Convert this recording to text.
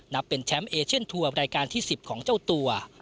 นับเป็นแชมป์เอเชียนทัวร์รายการที่๑๐ของเจ้าตัว